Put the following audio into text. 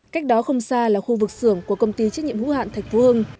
cách đó không xa là khu vực xưởng của công ty trách nhiệm hữu hạn thạch phương